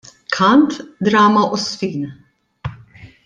Kant, drama u żfin.